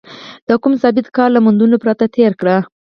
د کوم ثابت کار له موندلو پرته تېره کړې.